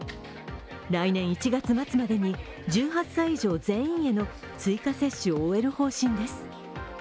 来年１月末までに１８歳以上全員への追加接種を終える方針です。